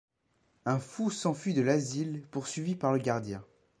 Un fou s'enfuit de l'asile poursuivi par le gardien.